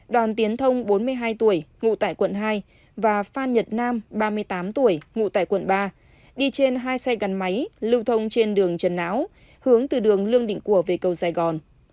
đoàn tiến thông bốn mươi hai tuổi ngụ tại quận hai và phan nhật nam ba mươi tám tuổi ngụ tại quận ba đi trên hai xe gắn máy lưu thông trên đường trần não hướng từ đường lương định của về cầu sài gòn